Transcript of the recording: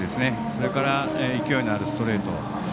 それから勢いのあるストレート。